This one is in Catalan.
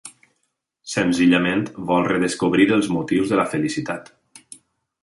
Senzillament vol redescobrir els motius de la felicitat.